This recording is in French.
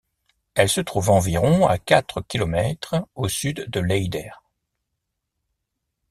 Elle se trouve environ à quatre kilomètres au sud de l'Eider.